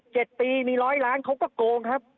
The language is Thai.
๗ปีนี่ร้อยล้านเขาก็โกงครับ